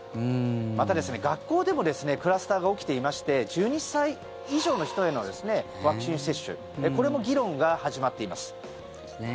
また、学校でもクラスターが起きていまして１２歳以上の人へのワクチン接種これも議論が始まっています。